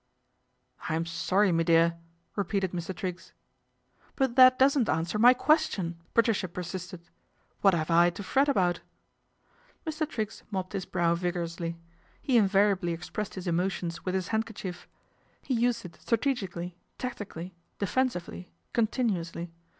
" I'm sorry, me dear," repeated Mr. Triggs. " But that doesn't answer my question," [Patricia persisted. " What have I to fret about ?" Mr. Triggs mopped his brow vigorously. He invariably expressed his emotions with his hand icerchief. He used it strategically, tactically, lefensively, continuously.